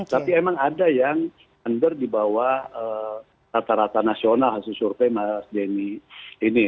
tapi emang ada yang under di bawah rata rata nasional hasil survei mas denny ini